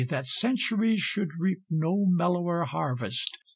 that centuries should reap No mellower harvest!